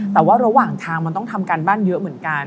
แต่ว่าระหว่างทางมันต้องทำการบ้านเยอะเหมือนกัน